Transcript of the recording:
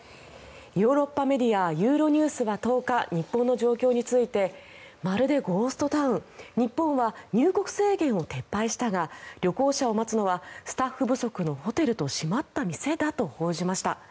ヨーロッパメディアユーロニュースは１０日日本の状況についてまるでゴーストタウン日本は入国制限を撤廃したが旅行者を待つのはスタッフ不足のホテルと閉まった店だと報じました。